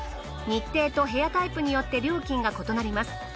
日程と部屋タイプによって料金が異なります。